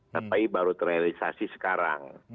tapi baru terrealisasi sekarang